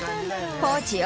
ポーチよ